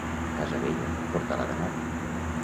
Casa vella, portalada nova.